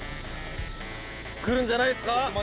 くるんじゃないですか？